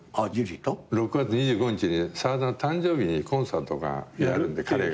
６月２５日に沢田の誕生日にコンサートがやるんで彼が。